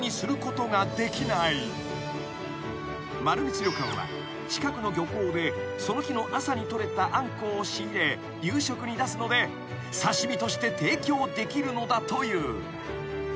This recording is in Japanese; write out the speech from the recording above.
［まるみつ旅館は近くの漁港でその日の朝に取れたアンコウを仕入れ夕食に出すので刺し身として提供できるのだという］